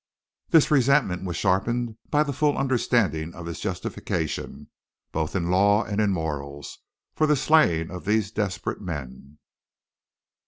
This resentment was sharpened by the full understanding of his justification, both in law and in morals, for the slaying of these desperate men.